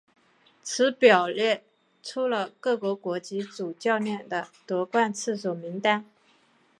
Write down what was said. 此表列出了各个国籍主教练的夺冠次数名单。